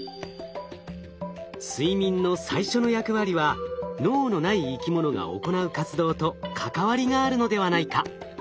睡眠の最初の役割は脳のない生きものが行う活動と関わりがあるのではないか？